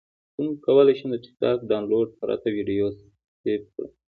څنګه کولی شم د ټکټاک ډاونلوډ پرته ویډیو سیف کړم